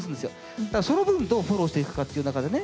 ただその分どうフォローしていくかっていう中でね